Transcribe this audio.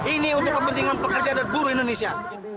ini untuk kepentingan pekerja dan buruh indonesia